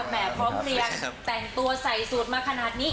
แหมพร้อมเรียนแต่งตัวใสซูลมาขนาดนี้